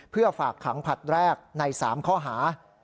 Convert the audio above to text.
เพื่อฝากขังผลัดแรกใน๓ข้อหา